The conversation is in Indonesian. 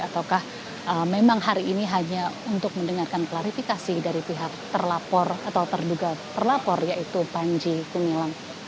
ataukah memang hari ini hanya untuk mendengarkan klarifikasi dari pihak terlapor atau terduga terlapor yaitu panji gumilang